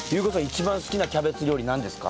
一番好きなキャベツ料理なんですか？